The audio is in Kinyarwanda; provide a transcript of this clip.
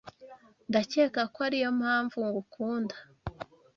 Ndakeka ko ariyo mpamvu ngukunda.